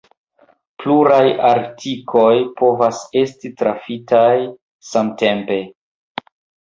Pluraj artikoj povas esti trafitaj samtempe.